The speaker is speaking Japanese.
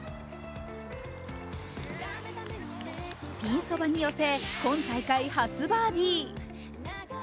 ピンそばに寄せ、今大会初バーディー。